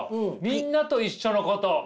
「みんなと一緒のこと」。